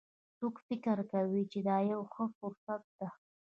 څوک فکر کوي چې دا یوه ښه فرصت ده